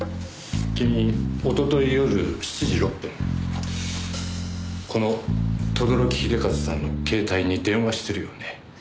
君一昨日夜７時６分この轟秀和さんの携帯に電話してるよね？